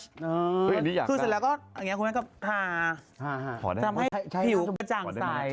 คือเสร็จแล้วก็นี่คุณแม่ทำให้ผิวกระจ่างซ้าย